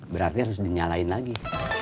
berarti harus dinyalain lagi